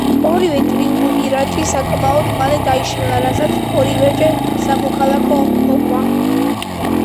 ორივე ტრიუმვირატი საკმაოდ მალე დაიშალა რასაც ორივეჯერ სამოქალაქო ომი მოყვა.